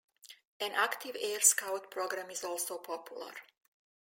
An active Air Scout program is also popular.